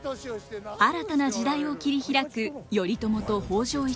新たな時代を切り開く頼朝と北条一族。